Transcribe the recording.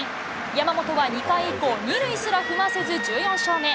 山本は２回以降、２塁すら踏ませず、１４勝目。